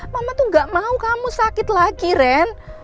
mama tuh gak mau kamu sakit lagi ren